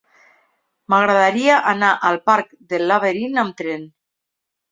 M'agradaria anar al parc del Laberint amb tren.